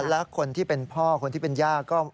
และคนที่เป็นพ่อคนที่เป็นย่าก็